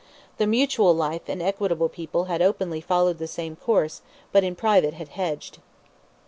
The Mutual Life and Equitable people had openly followed the same course, but in private had hedged.